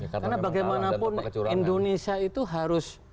karena bagaimanapun indonesia itu harus